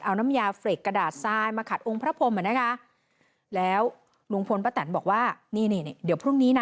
เอาน้ำยาเฟรกกระดาษทรายมาขัดองค์พระพรมอ่ะนะคะแล้วลุงพลป้าแตนบอกว่านี่นี่เดี๋ยวพรุ่งนี้นะ